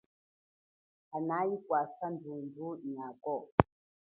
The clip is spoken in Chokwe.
Hanayi kwasa ndhundhu nyakowo.